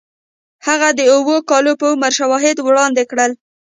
هغه د اوو کالو په عمر کې شواهد وړاندې کړل